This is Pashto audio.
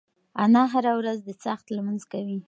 انا هره ورځ د څاښت لمونځ کوي.